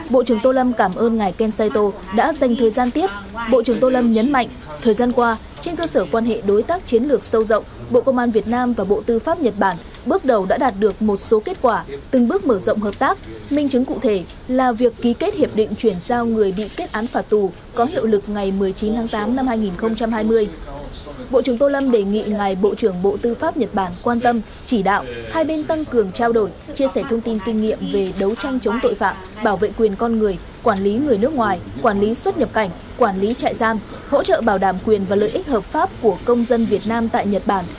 bộ trưởng tô lâm đề nghị ngài bộ trưởng bộ tư pháp nhật bản quan tâm chỉ đạo hai bên tăng cường trao đổi chia sẻ thông tin kinh nghiệm về đấu tranh chống tội phạm bảo vệ quyền con người quản lý người nước ngoài quản lý xuất nhập cảnh quản lý trại giam hỗ trợ bảo đảm quyền và lợi ích hợp pháp của công dân việt nam tại nhật bản